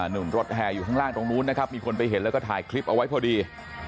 หนุ่มรถแห่อยู่ข้างล่างตรงนู้นนะครับมีคนไปเห็นแล้วก็ถ่ายคลิปเอาไว้พอดี